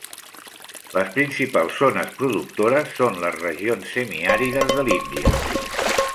Les principals zones productores són les regions semiàrides de l'Índia.